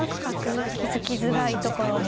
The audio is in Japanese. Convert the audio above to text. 気付きづらいところに。